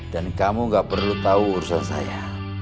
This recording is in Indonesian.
dan kamu gak perlu tahu urusan saya